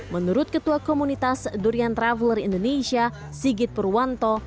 menurut ketua komunitas durian traveler indonesia sigit purwanto